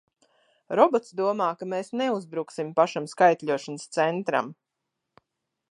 Robots domā, ka mēs neuzbruksim pašam skaitļošanas centram!